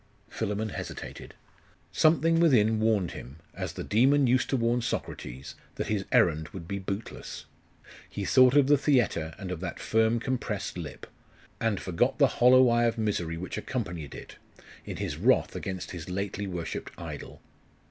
Philammon hesitated. Something within warned him, as the Daemon used to warn Socrates, that his errand would be bootless. He thought of the theatre, and of that firm, compressed lip; and forgot the hollow eye of misery which accompanied it, in his wrath against his lately worshipped idol.